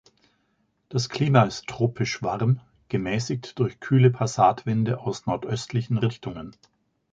Das Klima ist tropisch warm, gemäßigt durch kühle Passatwinde aus nordöstlichen Richtungen.